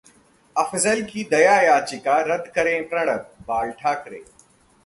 अफजल की दया याचिका रद्द करें प्रणब: बाल ठाकरे